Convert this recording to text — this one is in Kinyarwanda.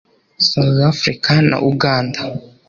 South Africa na Uganda